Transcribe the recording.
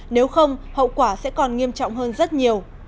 nếu không hậu quả sẽ còn nghiêm trọng hơn rất nhiều